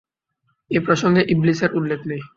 এ প্রসঙ্গে ইবলীসের উল্লেখ নেই।